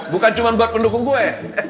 bukan cuma buat pendukung gue